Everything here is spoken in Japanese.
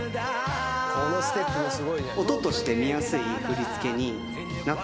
このステップもすごいね。